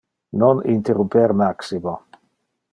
Non interrumper Maximo.